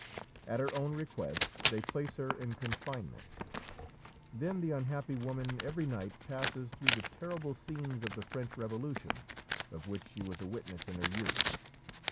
At her own request they place her in confinement; then the unhappy woman every night passes through the terrible scenes of the French Revolution, of which she was a witness in her youth.